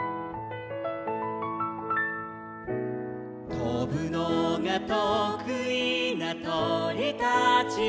「とぶのがとくいなとりたちも」